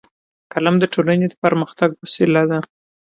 قلم د ټولنې د پرمختګ وسیله ده